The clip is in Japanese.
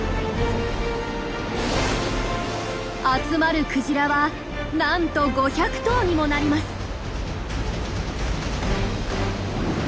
集まるクジラはなんと５００頭にもなります！